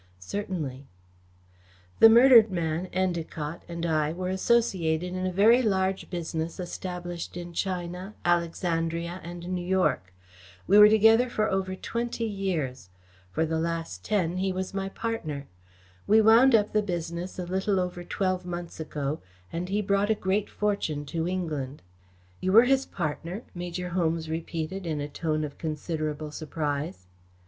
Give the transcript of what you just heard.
"Certainly." "The murdered man, Endacott, and I were associated in a very large business established in China, Alexandria and New York. We were together for over twenty years. For the last ten years he was my partner. We wound up the business a little over twelve months ago and he brought a great fortune to England." "You were his partner," Major Holmes repeated in a tone of considerable surprise.